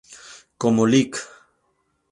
Como Lic.